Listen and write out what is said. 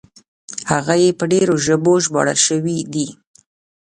هغه یې په ډېرو ژبو ژباړل شوي دي.